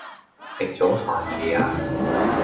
食左飯未呀